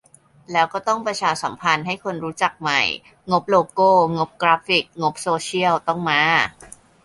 แล้วก็ต้องประชาสัมพันธ์ให้คนรู้จักใหม่ งบโลโก้ งบกราฟิก งบโซเชียลต้องมา